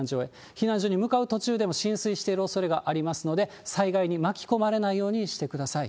避難所に向かう途中でも、浸水しているおそれがありますので、災害に巻き込まれないようにしてください。